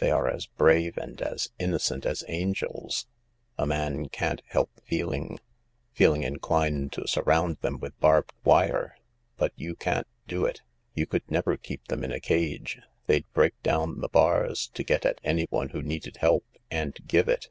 They are as brave and as innocent as angels. A man can't help feeling ..."... Feeling inclined to surround them with barbed wire, but you can't do it. You could never keep them in a cage. They'd break down the bars to get at anyone who needed help, and give it."